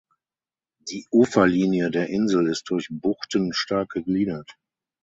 Die Uferlinie der Insel ist durch Buchten stark gegliedert.